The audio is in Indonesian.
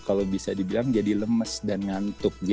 kalau bisa dibilang jadi lemes dan ngantuk